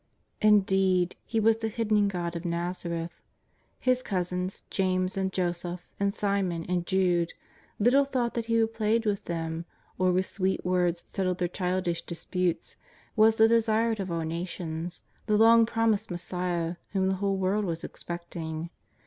Indeed, He was the Hidden God of Nazareth. His cousins, James and Joseph, and Simon, and Jude, little thought that He who played with them, or with sweet words settled their childish disputes, was the Desired of all nations, the long promised Messiah whom the whole world was expecting.